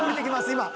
今。